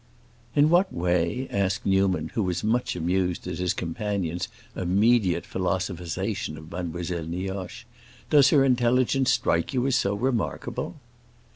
"In what way," asked Newman, who was much amused at his companion's immediate philosophisation of Mademoiselle Nioche, "does her intelligence strike you as so remarkable?"